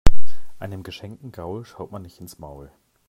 Einem geschenkten Gaul schaut man nicht ins Maul.